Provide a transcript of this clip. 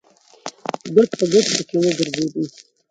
ګوټ په ګوټ پکې وګرځېدو.